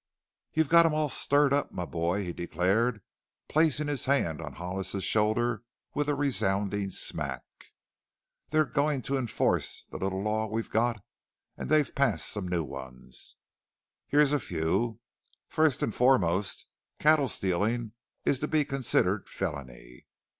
"You've got 'em all stirred up, my boy!" he declared, placing his hand on Hollis's shoulder with a resounding "smack"; "they're goin' to enforce the little law we've got and they've passed some new ones. Here's a few! First and foremost, cattle stealing is to be considered felony!